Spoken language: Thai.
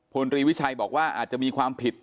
พลตรีวิชัยบอกว่าอาจจะมีความผิด